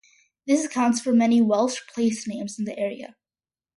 This accounts for the many Welsh place names in the area.